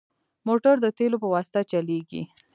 موټر د تیلو په واسطه چلېږي.